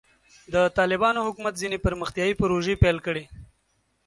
د طالبانو حکومت ځینې پرمختیایي پروژې پیل کړې.